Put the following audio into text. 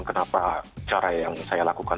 kenapa cara yang saya lakukan